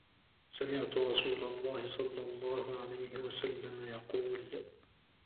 سَمِعْتُ رسولَ اللهِ صَلَّى اللهُ عَلَيْهِ وَسَلَّمَ يقولُ: